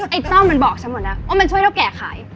ต้อมมันบอกฉันหมดแล้วว่ามันช่วยเท่าแก่ขาย